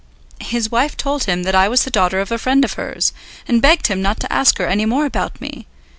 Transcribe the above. "His wife told him that I was the daughter of a friend of hers, and begged him not to ask her any more about me.